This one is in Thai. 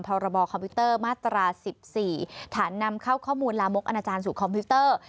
พรบคอมพิวเตอร์มาตรา๑๔ฐานนำเข้าข้อมูลลามกอนาจารย์สู่คอมพิวเตอร์